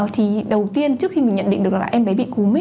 thì đầu tiên trước khi mình nhận định được là em bé bị cúm